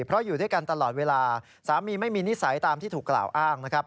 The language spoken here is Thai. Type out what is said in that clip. เพราะอยู่ด้วยกันตลอดเวลาสามีไม่มีนิสัยตามที่ถูกกล่าวอ้างนะครับ